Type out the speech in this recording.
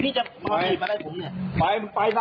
พี่จะมาไหนมาได้ผมเนี่ยไปมึนไปซะ